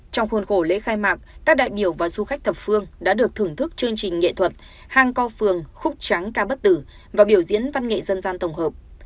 trong khuôn khổ lễ khai mạc các đại biểu và du khách thập phương đã được thưởng thức chương trình nghệ thuật hang co phường khúc tráng ca bất tử và biểu diễn văn nghệ dân gian tổng hợp